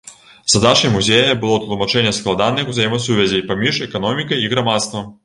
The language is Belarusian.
Задачай музея было тлумачэнне складаных узаемасувязей паміж эканомікай і грамадствам.